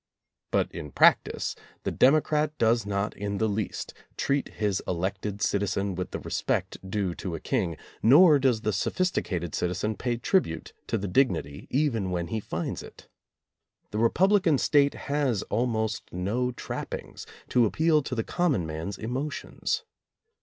But in practice, the democrat does not in the least treat his elected citizen with the respect due to a king, nor does the sophisti cated citizen pay tribute to the dignity even when he finds it. The republican state has almost no trappings to appeal to the common man's emo tions.